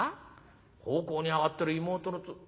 奉公に上がってる妹のつ。